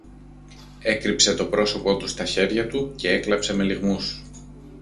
έκρυψε το πρόσωπο του στα χέρια του κι έκλαψε με λυγμούς.